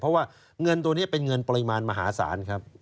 เพราะว่าเงินตัวนี้เป็นเงินปริมาณมหาศาลครับ